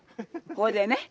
それでね